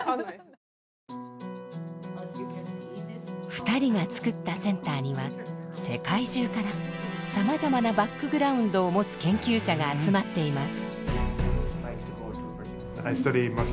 ２人が作ったセンターには世界中からさまざまなバックグラウンドを持つ研究者が集まっています。